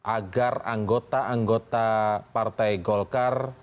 agar anggota anggota partai golkar